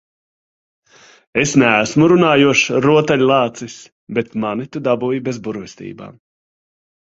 Es neesmu runājošs rotaļlācis, bet mani tu dabūji bez burvestībām.